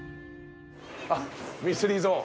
あっミステリーゾーン。